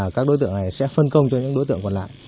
các đối tượng này sẽ phân công cho những đối tượng còn lại